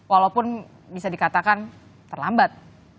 walaupun bisa dikatakan terlambat